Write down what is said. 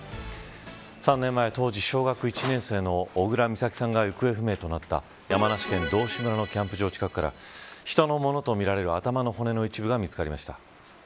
３年前、当時小学１年生の小倉美咲さんが行方不明となった山梨県道志村のキャンプ場近くから人のものとみられる頭の骨の一部が見つかりました。